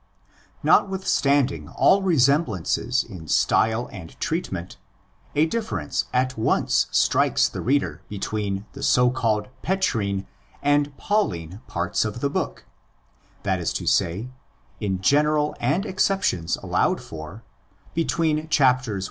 Notwithstanding all resemblance in style and treat ment, a difference at once strikes the reader between the so called Petrine and Pauline parts of the book —that is to say, in general and exceptions allowed for, between chapters i.